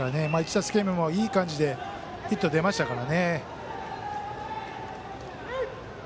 ２打席目もいい感じでヒットが出ましたから。